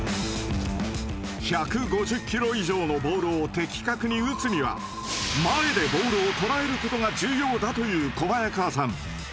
１５０キロ以上のボールを的確に打つには前でボールを捉えることが重要だという小早川さん。